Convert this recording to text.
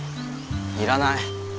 要らない。